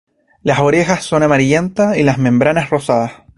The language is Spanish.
Las orejas son amarillenta y las membranas rosadas.